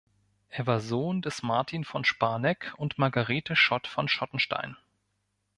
Er war Sohn des Martin von Sparneck und der Margarethe Schott von Schottenstein.